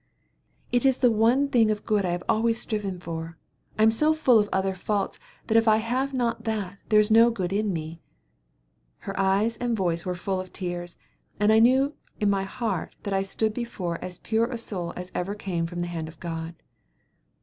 It is the one thing of good I have always striven for. I am so full of other faults that if I have not that there is no good in me." Her eyes and voice were full of tears, and I knew in my heart that I stood before as pure a soul as ever came from the hand of God.